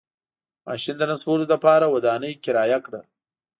ماشین د نصبولو لپاره ودانۍ کرایه کړه.